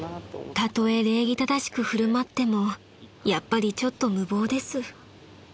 ［たとえ礼儀正しくふるまってもやっぱりちょっと無謀です］